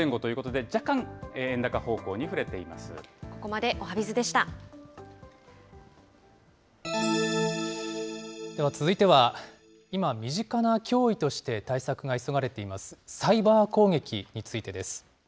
では続いては、今身近な脅威として対策が急がれています、サイバー攻撃についてです。